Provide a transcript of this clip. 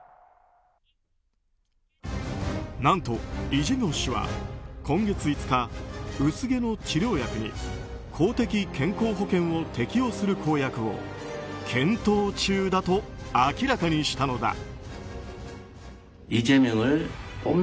何と、イ・ジェミョン氏は今月５日薄毛の治療薬に公的健康保険を適用する公約を検討中だと明らかにしたのだ。